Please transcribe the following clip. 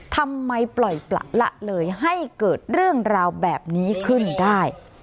ทำไมปล่อยประละเลยให้เกิดเรื่องราวแบบนี้ขึ้นได้